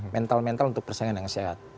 mental mental untuk persaingan yang sehat